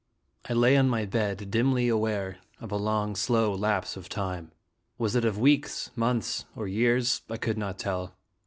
I lay on my bed, dimly aware of a long, slow lapse of time. Was it of weeks, months, or years? I could not tell.